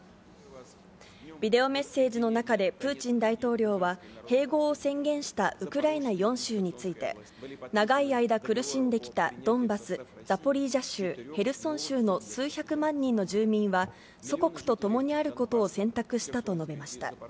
ビデオメッセージの中で、プーチン大統領は併合を宣言したウクライナ４州について、長い間、苦しんできたドンバス、ザポリージャ州、ヘルソン州の数百万人の住民は祖国と共にあることを選択したと述べました。